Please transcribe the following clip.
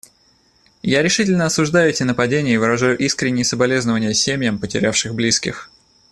Я решительно осуждаю эти нападения и выражаю искренние соболезнования семьям, потерявшим близких.